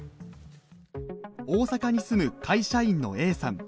大阪に住む会社員のＡさん。